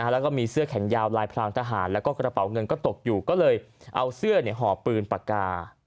แล้วก็มีเสื้อแขนยาวลายพรางทหารแล้วก็กระเป๋าเงินก็ตกอยู่ก็เลยเอาเสื้อห่อปืนปากกา